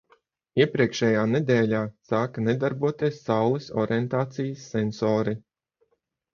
Iepriekšējā nedēļā sāka nedarboties Saules orientācijas sensori.